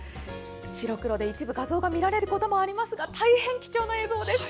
白黒で一部画像が乱れることもありますが大変貴重な映像です。